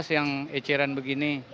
dua belas yang eceran begini